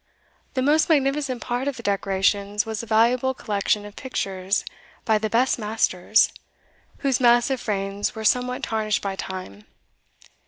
The most magnificent part of the decorations was a valuable collection of pictures by the best masters, whose massive frames were somewhat tarnished by time.